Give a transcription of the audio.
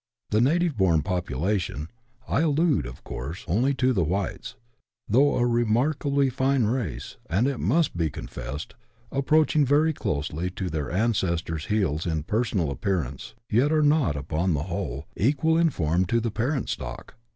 The native born population (I allude, of course, only to the whites), though a remarkably fine race, and, it must be con fessed, approaching very closely to their ancestors' heels in per sonal appearance, yet are not, upon the whole, equal in form to the parent stock.